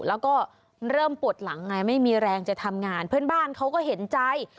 แล้วก็เริ่มปวดหลังไงไม่มีแรงจะทำงานเพื่อนบ้านเขาก็เห็นใจ